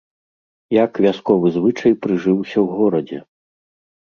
Як вясковы звычай прыжыўся ў горадзе?